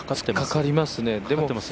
突っかかりますね。